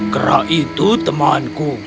kera itu temanku